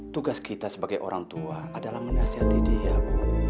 tugas kita sebagai orang tua adalah menasihati dia bu